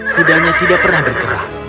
kudanya tidak pernah bergerak